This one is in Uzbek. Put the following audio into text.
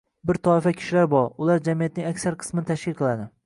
Bir toifa kishilar bor — ular jamiyatning aksar qismini tashkil qiladi